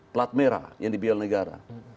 plat merah yang di biar negara